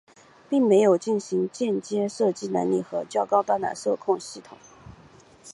并没有行进间射击能力和较高端的射控系统。